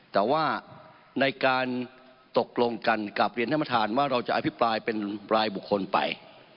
แต่ว่าในการตกลงกันกลับเรียนท่านประธานว่าเราจะอภิปรายเป็นรายบุคคลไป